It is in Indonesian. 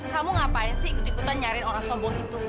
kamu ngapain sih ikut ikutan nyariin orang sombong itu